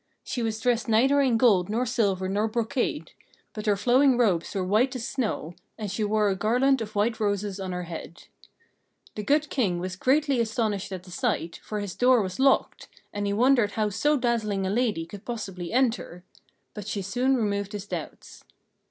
She was dressed neither in gold nor silver nor brocade; but her flowing robes were white as snow, and she wore a garland of white roses on her head. The Good King was greatly astonished at the sight, for his door was locked, and he wondered how so dazzling a lady could possibly enter; but she soon removed his doubts.